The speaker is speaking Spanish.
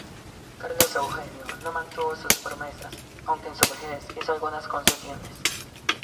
Carlos Eugenio no mantuvo sus promesas, aunque en su vejez hizo algunas concesiones.